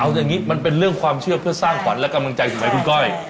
เอาอย่างนี้มันเป็นเรื่องความเชื่อเพื่อสร้างขวัญและกำลังใจถูกไหมคุณก้อย